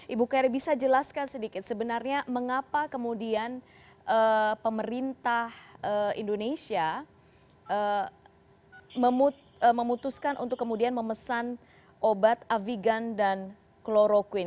ibu keri bisa jelaskan sedikit sebenarnya mengapa kemudian pemerintah indonesia memutuskan untuk kemudian memesan obat avigan dan kloroquine